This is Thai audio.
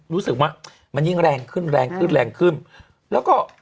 รู้สึกว่ามันยิ่งแรงขึ้นแรงขึ้นแรงขึ้นแล้วก็